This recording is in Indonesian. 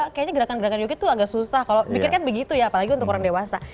kayaknya gerakan gerakan yogi itu agak susah kalau pikirkan begitu ya apalagi untuk orang dewasa